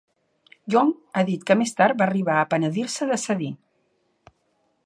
Young ha dit que més tard va arribar a penedir-se de cedir.